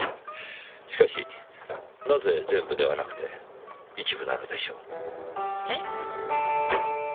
しかしなぜ全部ではなくて一部なのでしょう？え？